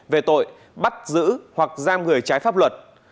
về tội bắt giữ hoặc giam người trái pháp luật